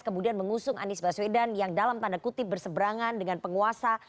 kemudian mengusung anies baswedan yang dalam tanda kutip berseberangan dengan penguasa